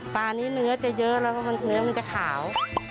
ปลานี้เนื้อจะเยอะแล้วก็เนื้อมันจะขาว